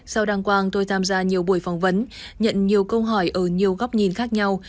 sau đăng quang tôi tham gia nhiều buổi phỏng vấn nhận nhiều câu hỏi ở nhiều góc nhìn khác nhau